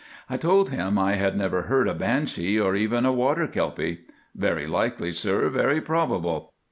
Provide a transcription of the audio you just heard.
I told him I had never heard a banshee or seen a water kelpie. "Very likely, sir, very probable.